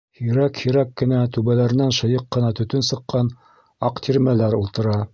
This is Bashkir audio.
Һирәк-Һирәк кенә, түбәләренән шыйыҡ ҡына төтөн сыҡҡан аҡ тирмәләр ултыра.